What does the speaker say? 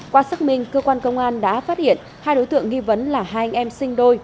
qua xác minh cơ quan công an đã phát hiện hai đối tượng nghi vấn là hai anh em sinh đôi